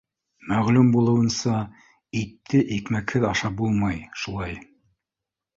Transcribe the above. Мәғлүм булыуынса, итте икмәкһеҙ ашап булмай, шулай